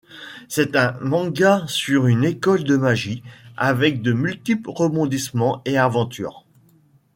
C'est un manga sur une école de magie, avec de multiples rebondissements et aventures.